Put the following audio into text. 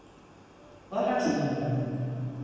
Var aslında.